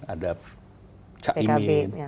ada cak imin